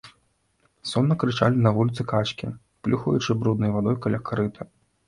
Сонна крычалі на вуліцы качкі, плюхаючы бруднай вадою каля карыта.